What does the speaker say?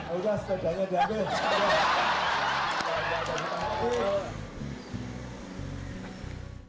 aduh sekedarnya ganteng